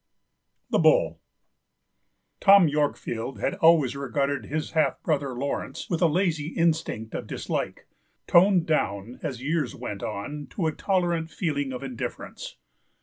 201THE BULL Tom Yorkfield had always regarded his half brother, Laurence, with a lazy instinct of dislike, toned down, as years went on, to a tolerant feeling of indifference.